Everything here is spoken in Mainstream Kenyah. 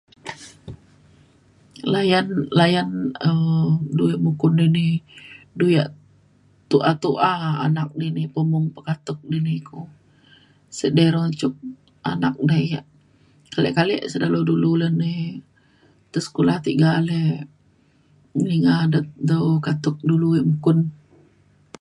layan layan um du yak mukun dini du yak tu’a tu’a anak dini pemung pekatuk dini ku sek de rujuk anak da yak kale kale sek dulu le nai te sekolah tiga ale ngelinga de dau katuk dulu yak mukun.